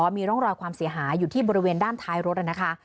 มีร่องรอยความเสียหายอยู่ที่บริเวณด้านท้ายรถนะคะ